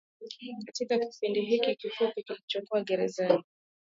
Katika kipindi hiki kifupi alichokuwa gerezani